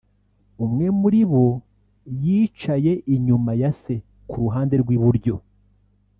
umwe muri bo yicaye inyuma ya Se ku ruhande rw'iburyo